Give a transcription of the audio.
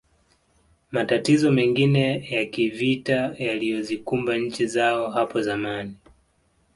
Matatizo mengine ya kivita yaliyozikumba nchi zao hapo zamani